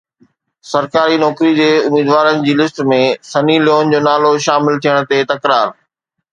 سرڪاري نوڪري جي اميدوارن جي لسٽ ۾ سني ليون جو نالو شامل ٿيڻ تي تڪرار